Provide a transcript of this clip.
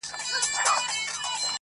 ما لا د زړۀ خبره کړے نۀ وه